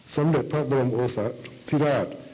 สมเด็จพระบรมโอสาธิราช